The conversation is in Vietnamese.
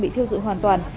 bị thiêu dụng hoàn toàn